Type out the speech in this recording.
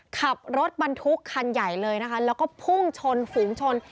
ขับรถบรรทุกคันใหญ่เลยนะคะแล้วก็พุ่งชนฝูงชน